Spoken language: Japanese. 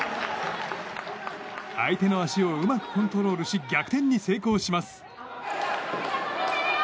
相手の足をうまくコントロールし逆転に成功します。